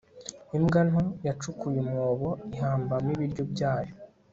imbwa nto yacukuye umwobo ihambamo ibiryo byayo